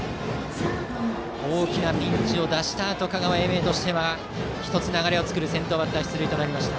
大きなピンチを脱したあと香川・英明としては１つ流れを作る先頭バッター出塁となりました。